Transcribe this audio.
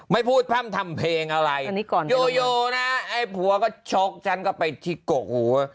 ไม่พูดพร่ำทำเพลงอะไรโยโยนะไอ้ผัวก็ชกฉันก็ไปที่กกหัว